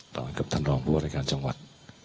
ให้กับท่านรองผู้ว่ารายการจังหวัด